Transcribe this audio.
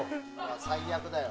最悪だよ。